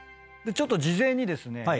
ちょっと事前にですね